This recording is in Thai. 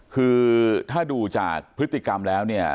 คือถ้าดูจากพฤติกรรมแล้วเนี่ย